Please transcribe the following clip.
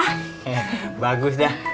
he bagus dah